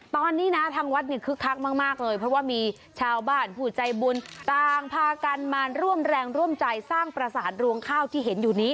ตอนนี้นะทางวัดเนี่ยคึกคักมากเลยเพราะว่ามีชาวบ้านผู้ใจบุญต่างพากันมาร่วมแรงร่วมใจสร้างประสาทรวงข้าวที่เห็นอยู่นี้